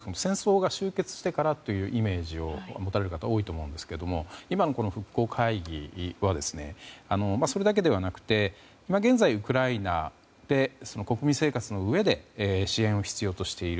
復興支援といいますとやはり、戦争が終結してからというイメージを持たれる方が多いと思うんですけど今の復興会議はそれだけではなくて今現在ウクライナで国民生活の上で支援を必要としている。